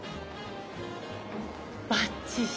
ばっちし。